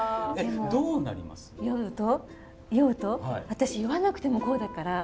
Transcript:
私酔わなくてもこうだから。